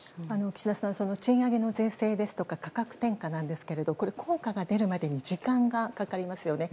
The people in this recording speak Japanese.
岸田さん、賃上げ税制ですとか価格転嫁ですが効果が出るまでに時間がかかりますよね。